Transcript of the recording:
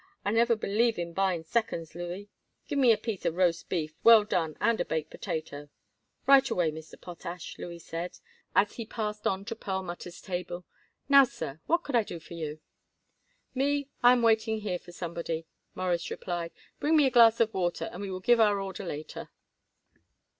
I never believe in buying seconds, Louis. Give me a piece of roast beef, well done, and a baked potato." "Right away, Mr. Potash," Louis said, as he passed on to Perlmutter's table. "Now, sir, what could I do for you?" "Me, I am waiting here for somebody," Morris replied. "Bring me a glass of water and we will give our order later."